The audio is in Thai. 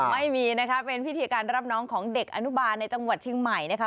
ไม่มีนะคะเป็นพิธีการรับน้องของเด็กอนุบาลในจังหวัดเชียงใหม่นะคะ